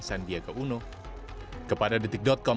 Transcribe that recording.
sandiaga uno kepada detik com